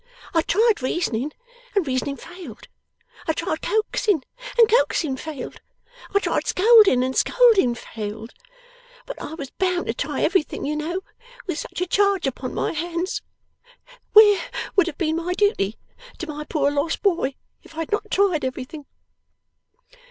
I tried reasoning, and reasoning failed. I tried coaxing, and coaxing failed. I tried scolding and scolding failed. But I was bound to try everything, you know, with such a charge upon my hands. Where would have been my duty to my poor lost boy, if I had not tried everything!